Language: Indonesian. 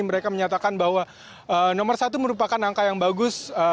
mereka menyatakan bahwa nomor satu merupakan angka yang bagus